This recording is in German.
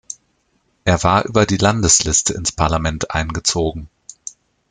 Er war über die Landesliste ins Parlament eingezogen.